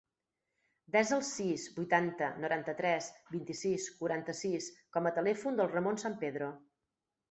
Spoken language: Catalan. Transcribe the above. Desa el sis, vuitanta, noranta-tres, vint-i-sis, quaranta-sis com a telèfon del Ramon San Pedro.